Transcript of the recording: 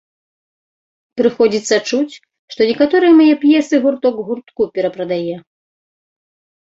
Прыходзіцца чуць, што некаторыя мае п'есы гурток гуртку перапрадае.